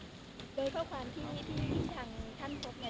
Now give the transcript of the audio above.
โดยข้อความที่ท่านพบท่านคิดว่ามันจะส่งสมต่อต่าง